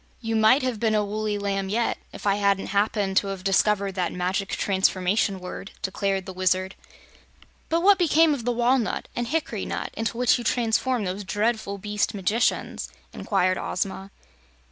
"You might have been a woolly lamb yet, if I hadn't happened to have discovered that Magic Transformation Word," declared the Wizard. "But what became of the walnut and the hickory nut into which you transformed those dreadful beast magicians?" inquired Ozma.